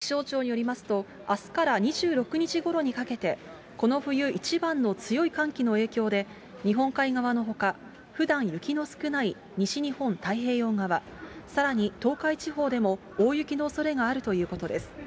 気象庁によりますと、あすから２６日ごろにかけて、この冬一番の強い寒気の影響で、日本海側のほか、ふだん雪の少ない西日本太平洋側、さらに東海地方でも大雪のおそれがあるということです。